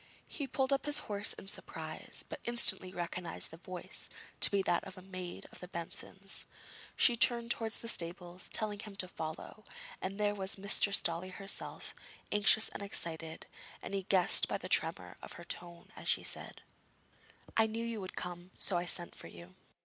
He pulled up his horse in surprise, but instantly recognised the voice to be that of a maid of the Bensons. She turned towards the stables, telling him to follow, and there was Mistress Dolly herself, anxious and excited, as he guessed by the tremor of her tone as she said: 'I knew you would come, so I sent for you.'